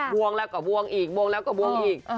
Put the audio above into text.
วงแล้วก็บวงอีกบวงแล้วก็บวงอีก